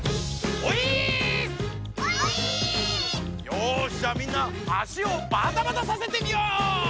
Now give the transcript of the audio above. よしじゃあみんな足をバタバタさせてみよう！